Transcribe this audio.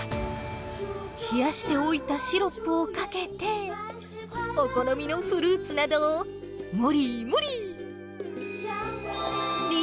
冷やしておいたシロップをかけて、お好みのフルーツなどを盛り盛り。